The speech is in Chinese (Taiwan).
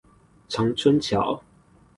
長春橋